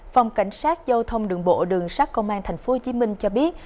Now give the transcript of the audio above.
phòng cảnh sát giao thông đường bộ đường sát công an tp hcm cho biết